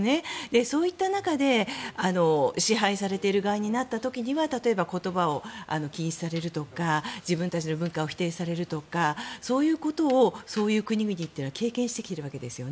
そういった中で支配されている側になった時には例えば言葉を禁止されるとか自分たちの文化を否定されるとかそういうことをそういう国々というのは経験してきているわけですね。